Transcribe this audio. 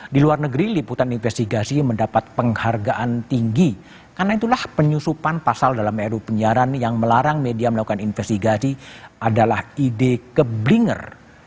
di luar negeri liputan investigasi mendapat penghargaan tinggi karena itulah penyusupan pasal dalam ruu penyiaran yang melarang media melakukan investigasi adalah ide keblinger